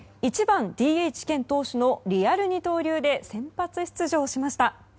１番ＤＨ兼投手のリアル二刀流で先発出場しました。